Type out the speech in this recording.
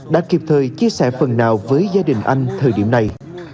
đã kịp thời chia sẻ phần nào với gia đình anh thời điểm này